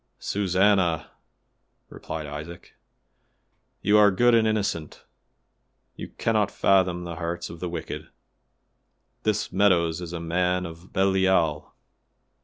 "Susannah!" replied Isaac, "you are good and innocent; you cannot fathom the hearts of the wicked. This Meadows is a man of Belial.